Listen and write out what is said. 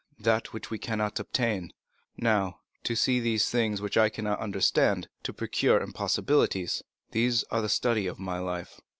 —that which we cannot obtain. Now, to see things which I cannot understand, to procure impossibilities, these are the study of my life.